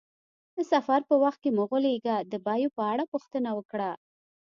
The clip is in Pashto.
د سفر په وخت کې مه غولیږه، د بیو په اړه پوښتنه وکړه.